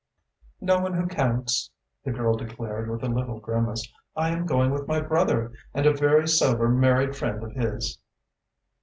"No one who counts," the girl declared, with a little grimace. "I am going with my brother and a very sober married friend of his."